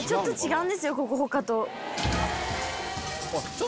うん。